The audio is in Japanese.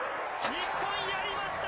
日本、やりました！